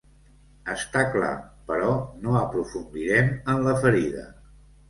Està clar, però no aprofundirem en la ferida.